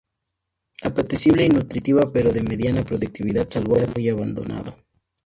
Apetecible y nutritiva, pero de mediana productividad, salvo muy abonado.